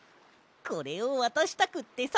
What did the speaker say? これをわたしたくってさ！